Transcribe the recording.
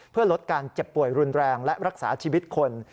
เพื่อลดการเจ็บป่วยรุนแรงและรักษาชีวิตคน